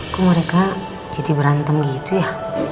kok mereka jadi berantem gitu ya